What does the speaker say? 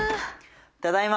ただいま。